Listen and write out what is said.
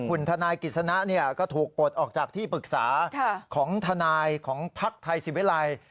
คุณทนายกิจสนะก็ถูกปลดออกจากที่ปรึกษาของทนายของภักดิ์ไทยศิวิลัย